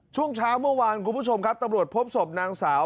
ช่วงเช้าเมื่อวานคุณผู้ชมครับตำรวจพบศพนางสาว